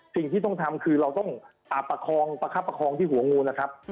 สิ่งที่ต้องทำคือเราต้องประคองประคับประคองที่หัวงูนะครับ